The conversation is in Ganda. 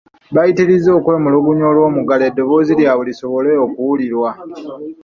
Baayitiriza okwemulugunya olw'omuggalo eddoboozi lyabwe lisobole okuwulirwa.